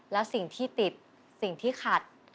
แล้วสิ่งที่ติดสิ่งที่ขัด